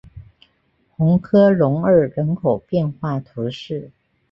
红科隆日人口变化图示